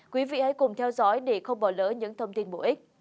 quý vị hãy cùng theo dõi để không bỏ lỡ những thông tin bổ ích